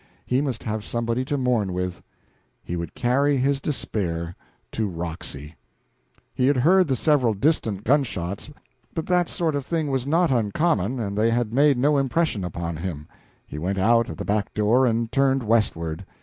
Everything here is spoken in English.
He must have somebody to mourn with. He would carry his despair to Roxy. He had heard several distant gunshots, but that sort of thing was not uncommon, and they had made no impression upon him. He went out at the back door, and turned westward.